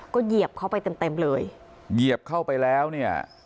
ก็เหยียบเข้าไปเต็มเต็มเลยเหยียบเข้าไปแล้วเนี่ย